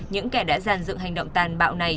những kẻ đã giàn dựng hành động tàn bạo này